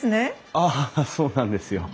ああそうなんですよ。